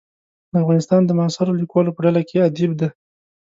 د افغانستان د معاصرو لیکوالو په ډله کې ادیب دی.